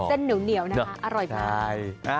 เป็นเส้นเหนียวอร่อยมาก